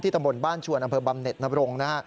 ที่ตำบลบ้านชัวร์นำเภอบำเน็ตนำรงค์